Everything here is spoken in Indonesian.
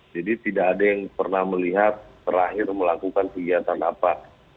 jadi tidak ada yang pernah melihat terakhir melakukan kegiatan apa